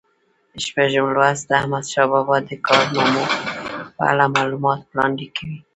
شپږم لوست د احمدشاه بابا د کارنامو په اړه معلومات وړاندې کوي.